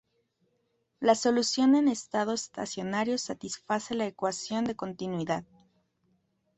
La solución en estado estacionario satisface la ecuación de continuidad.